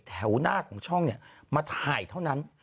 แถวหน้าของช่องมาถ่ายเท่านั้น